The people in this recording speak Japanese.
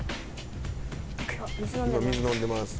今水飲んでます。